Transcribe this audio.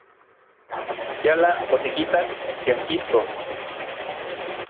Yala otikitak tiankisko.